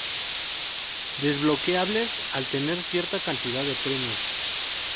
Desbloqueables al tener cierta cantidad de premios.